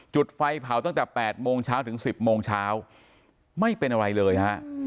จุดไฟเผาตั้งแต่๘โมงเช้าถึง๑๐โมงเช้าไม่เป็นอะไรเลยฮะ